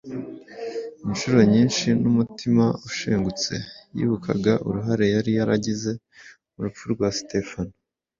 Incuro nyinshi n’umutima ushengutse, yibukaga uruhare yari yaragize mu rupfu rwa Sitefano.